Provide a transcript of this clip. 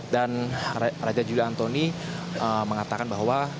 dan raja julia antoni mengatakan bahwa